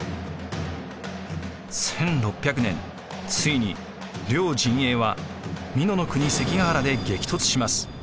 １６００年ついに両陣営は美濃国関ヶ原で激突します。